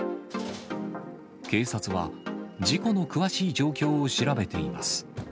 警察は事故の詳しい状況を調べています。